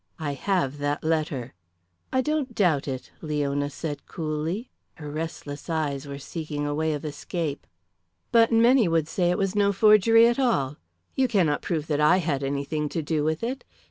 I have that letter." "I don't doubt it," Leona said coolly. Her restless eyes were seeking a way of escape. "But many would say it was no forgery at all. You cannot prove that I had anything to do with it.